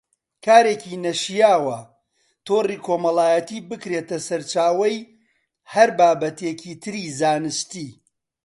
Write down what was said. کارێکی نەشیاوە تۆڕی کۆمەڵایەتی بکرێتە سەرچاوەی هەر بابەتێکی تری زانستی